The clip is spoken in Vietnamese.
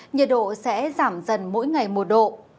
nhiệt độ sẽ giảm dần mỗi ngày một độ